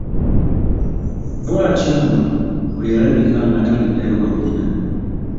Bw'atyo nno bwe yalabika nga taliddayo wa nnyina.